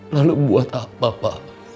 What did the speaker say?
lalu buat apa pak